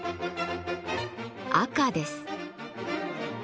赤です。